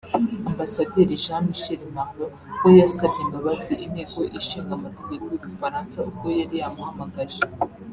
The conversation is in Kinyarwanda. Ambasaderi Jean-Michel Marlaud we yasabye imbabazi Inteko Ishinga Amategeko y’Ubufaransa ubwo yari yamuhamagaje